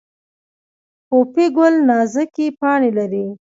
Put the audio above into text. پوپی ګل نازکې پاڼې لري